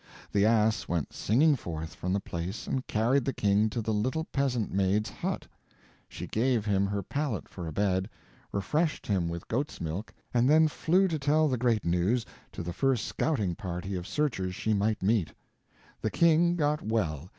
The ass went singing forth from the place and carried the king to the little peasant maid's hut. She gave him her pallet for a bed, refreshed him with goat's milk, and then flew to tell the great news to the first scouting party of searchers she might meet. The king got well.